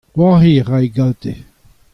c'hoari a rae gante.